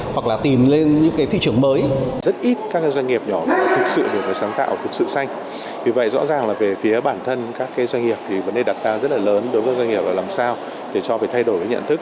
vì vậy rõ ràng là về phía bản thân các doanh nghiệp thì vấn đề đặt ra rất là lớn đối với doanh nghiệp là làm sao để cho về thay đổi nhận thức